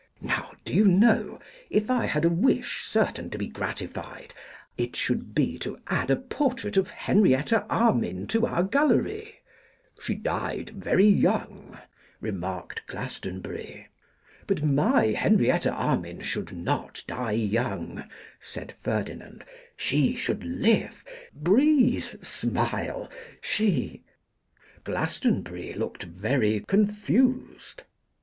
Now do you know, if I had a wish certain to be gratified, it should be to add a portrait of Henrietta Armine to our gallery?' 'She died very young,' remarked Glastonbury. 'But my Henrietta Armine should not die young,' said Ferdinand. 'She should live, breathe, smile: she ' Glastonbury looked very confused.